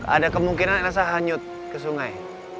ada kemungkinan rasa hanyut ke sungai